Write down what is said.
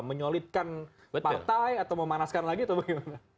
menyolidkan partai atau memanaskan lagi atau bagaimana